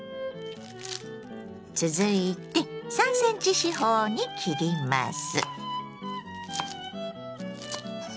続いて３ｃｍ四方に切ります。